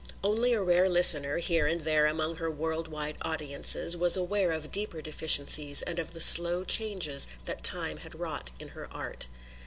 Only a rare listener, here and there among her world wide audiences, was aware of deeper deficiencies and of the slow changes that time had wrought in her art.